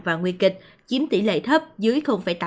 và nguy kịch chiếm tỷ lệ thấp dưới tám